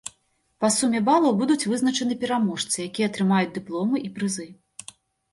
Па суме балаў будуць вызначаны пераможцы, якія атрымаюць дыпломы і прызы.